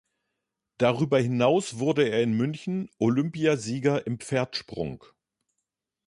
Darüber hinaus wurde er in München Olympiasieger im Pferdsprung.